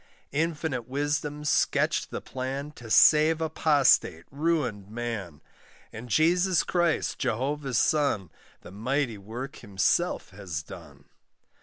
Infinite wisdom sketched the plan To save apostate, ruined man; And Jesus Christ, Jehovah's son, The mighty work Himself has done.